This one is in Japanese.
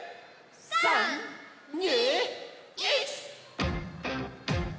３２１！